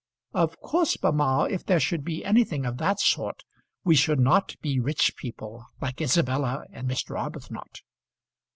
"Of course, mamma, if there should be anything of that sort, we should not be rich people, like Isabella and Mr. Arbuthnot."